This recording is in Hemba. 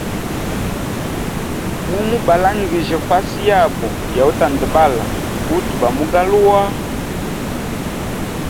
Mumu balangija fasi yabo yautandabala utu bamu galuwa.